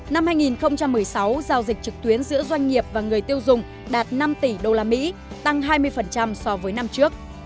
năm hai nghìn một mươi sáu giao dịch trực tuyến giữa doanh nghiệp và người tiêu dùng đạt năm tỷ usd tăng hai mươi so với năm trước